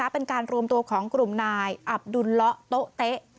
เป็นการรวมตัวของกลุ่มนายอับดุลเลาะโต๊ะเต๊ะ